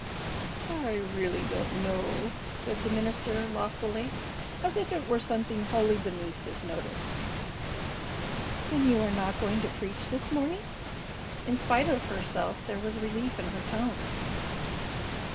"I really don't know," said the minister, loftily, as if it were something wholly beneath his notice. "Then you are not going to preach this morning?" In spite of herself there was relief in her tone.